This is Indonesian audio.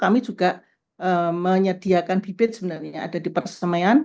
kami juga menyediakan bibit sebenarnya ada di persemaian